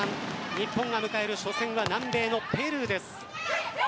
日本が迎える初戦は南米のペルーです。